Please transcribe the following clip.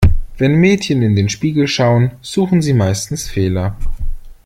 Wenn Mädchen in den Spiegel schauen, suchen sie meistens Fehler.